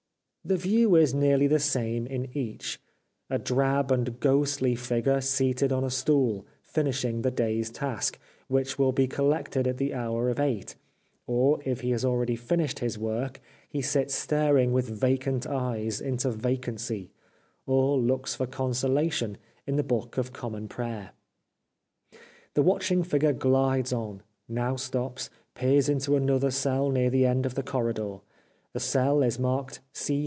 The view is nearly the same in each : a drab and ghostly figure seated on a stool, finishing the day's task, which will be collected at the hour of eight, or, if he has already finished his work, he sits staring with vacant eyes into vacancy, or looks for consolation in the Book of Common Prayer, The watching figure glides on, now stops, peers into another cell near the end of the corridor. The cell is marked C.3.3.